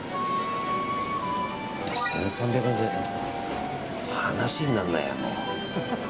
１３００円、話になんないやもう。